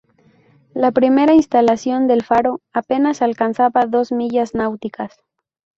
La primera instalación del faro apenas alcanzaba dos millas náuticas.